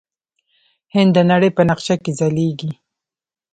هند د نړۍ په نقشه کې ځلیږي.